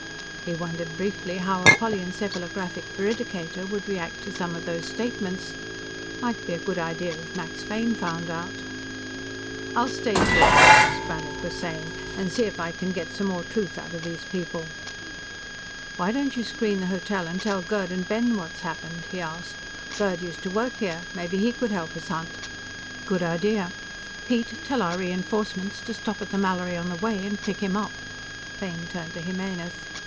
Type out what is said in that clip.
He wondered briefly how a polyencephalographic veridicator would react to some of those statements; might be a good idea if Max Fane found out. "I'll stay here," Gus Brannhard was saying, "and see if I can get some more truth out of these people." "Why don't you screen the hotel and tell Gerd and Ben what's happened?" he asked. "Gerd used to work here; maybe he could help us hunt." "Good idea. Piet, tell our re enforcements to stop at the Mallory on the way and pick him up." Fane turned to Jimenez.